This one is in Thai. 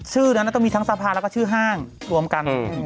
นั้นต้องมีทั้งสะพานแล้วก็ชื่อห้างรวมกัน